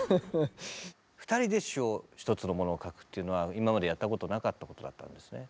ふたりで詞を一つのものを書くっていうのは今までやったことなかったことだったんですね。